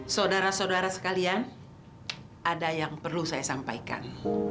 saudara saudara sekalian ada yang perlu saya sampaikan